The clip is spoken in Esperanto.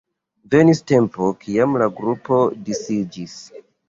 Venis tempo kiam la grupo disiĝis.